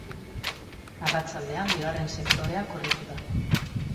Arratsaldean bigarren sektorea korritu da.